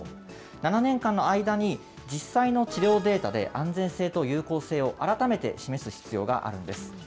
７年間の間に実際の治療データで、安全性と有効性を改めて示す必要があるんです。